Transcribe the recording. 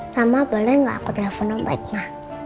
sama boleh gak aku telepon om baik ma